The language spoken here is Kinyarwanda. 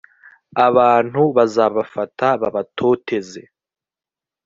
abantu bazabafata babatoteze